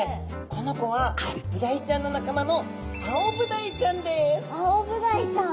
この子はブダイちゃんの仲間のアオブダイちゃん？